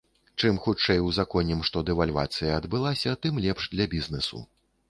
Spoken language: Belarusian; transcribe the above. Чым хутчэй ўзаконім, што дэвальвацыя адбылася, тым лепш для бізнэсу.